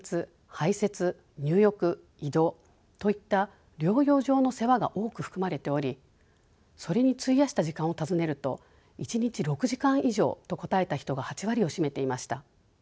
排せつ入浴移動といった療養上の世話が多く含まれておりそれに費やした時間を尋ねると１日６時間以上と答えた人が８割を占めていました。